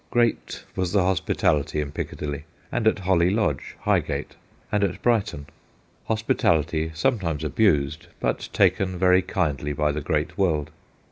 Great was the hospitality in Piccadilly, and at Holly Lodge, Highgate, and at Brighton : hospitality sometimes abused, but taken very kindly by the great world.